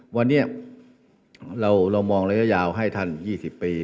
วันนี้เรามองระยะยาวให้ท่าน๒๐ปี